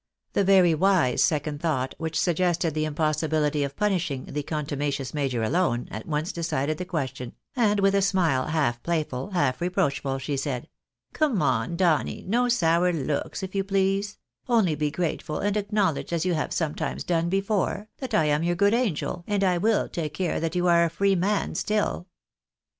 The very wise second thought which suggested the impossibihty of punishing the contumacious major alone, at once decided the question, and with a smile, h9,lf playful, half reproachful, she said —" Come, come, Donny, no sour looks, if you please ; only be grateful, and acknowledge as you have sometimes done before, that I am your good angel, and I will take care that you are a free man still."